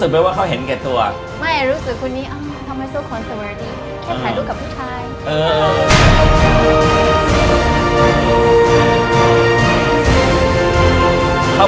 บ้านเจ้า